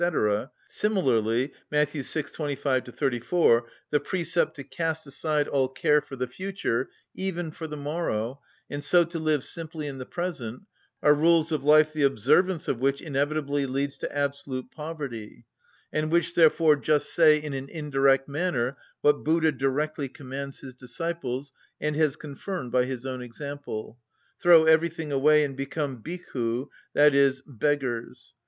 similarly (Matt. vi. 25‐34) the precept to cast aside all care for the future, even for the morrow, and so to live simply in the present, are rules of life the observance of which inevitably leads to absolute poverty, and which therefore just say in an indirect manner what Buddha directly commands his disciples and has confirmed by his own example: throw everything away and become bhikkhu, i.e., beggars.